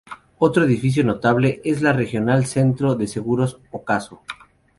Otro edificio notable es el de la Regional Centro de Seguros Ocaso.